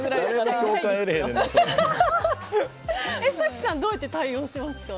早紀さんどうやって対応しますか？